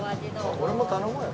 これも頼もうよ。